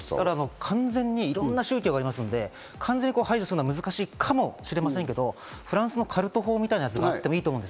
完全にいろんな宗教があるので完全に排除するのは難しいかもしれませんけど、フランスのカルト法みたいなやつがあってもいいと思う。